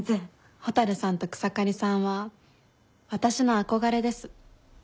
蛍さんと草刈さんは私の憧れです。